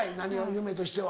夢としては。